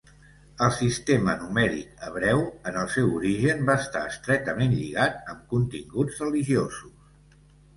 El sistema numèric hebreu, en el seu origen, va estar estretament lligat amb continguts religiosos.